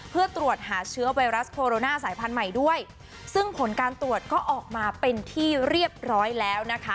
เพื่อตรวจหาเชื้อไวรัสโคโรนาสายพันธุ์ใหม่ด้วยซึ่งผลการตรวจก็ออกมาเป็นที่เรียบร้อยแล้วนะคะ